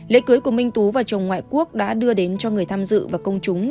lễ cưới của minh tú và chồng ngoại quốc đã đưa đến cho người tham dự và công chúng